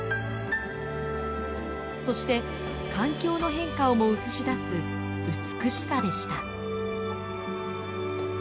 そして環境の変化をも映し出す美しさでした。